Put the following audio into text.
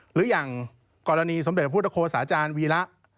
หรืออย่างกรณีสมเด็จพุทธโฆษาจารย์วีระ